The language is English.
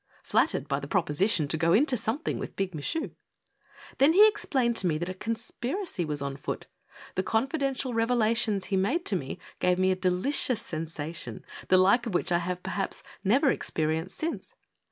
flattered by the proposition to go into something with Big Michu. Then he explained to me that a conspiracy was on foot. The confidential revelations he made to me gave me a delicious sensation, the like of which I have, perhaps, never experienced since.